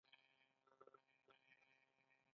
آیا کاناډا د ډیزاین شرکتونه نلري؟